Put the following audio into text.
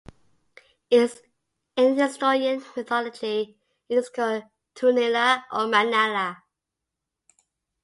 In Estonian mythology, it is called "Toonela" or "Manala".